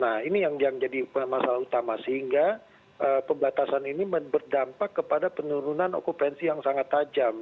nah ini yang jadi masalah utama sehingga pembatasan ini berdampak kepada penurunan okupansi yang sangat tajam